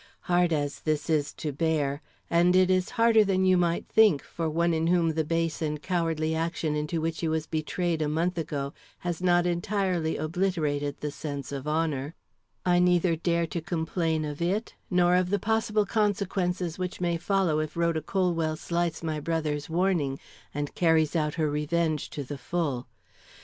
Hard as this is to bear and it is harder than you might think for one in whom the base and cowardly action into which he was betrayed a month ago has not entirely obliterated the sense of honor I neither dare to complain of it nor of the possible consequences which may follow if Rhoda Colwell slights my brother's warning and carries out her revenge to the full.